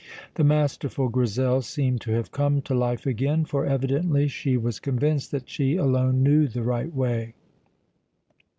The masterful Grizel seemed to have come to life again, for, evidently, she was convinced that she alone knew the right way.